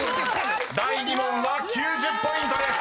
［第２問は９０ポイントです］